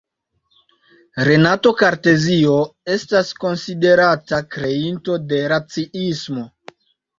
Renato Kartezio estas konsiderata kreinto de raciismo.